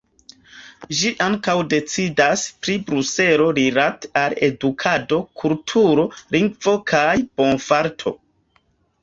Ĝi ankaŭ decidas pri Bruselo rilate al edukado, kulturo, lingvo kaj bonfarto.